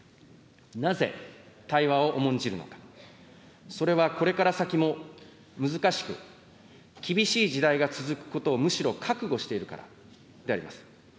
なぜ、対話を重んじるのか、それはこれから先も難しく厳しい時代が続くことをむしろ覚悟しているからであります。